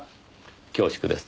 恐縮です。